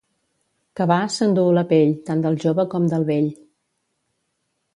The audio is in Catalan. Cavar s'enduu la pell, tant del jove com del vell.